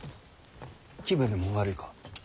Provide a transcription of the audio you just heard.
気分でも悪いか？